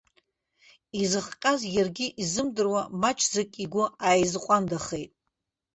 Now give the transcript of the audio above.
Изыхҟьаз иаргьы изымдыруа, маҷӡак игәы ааизҟәандахеит.